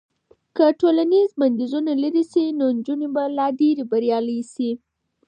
که ټولنیز بندیزونه لرې شي نو نجونې به لا ډېرې بریالۍ شي.